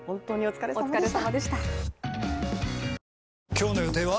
今日の予定は？